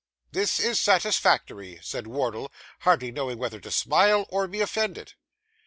'This is satisfactory,' said Wardle, hardly knowing whether to smile or be offended.